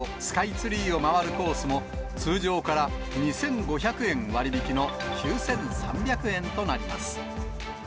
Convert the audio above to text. サンセットクルーズとスカイツリーを回るコースも、通常から２５００円割引の９３００円となります。